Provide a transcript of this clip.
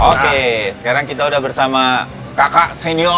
oke sekarang kita udah bersama kakak senior